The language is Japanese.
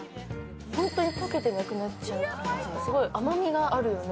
本当に溶けてなくなっちゃう感じ、すごい甘みがあるよね。